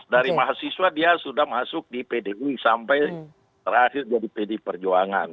dari mahasiswa dia sudah masuk di pdi sampai terakhir jadi pd perjuangan